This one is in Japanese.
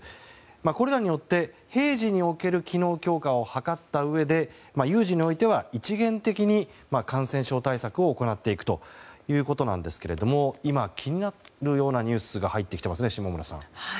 これらによって平時における機能強化を図ったうえで有事においては一元的に感染症対策を行っていくということなんですが今、気になるようなニュースが入ってきていますね、下村さん。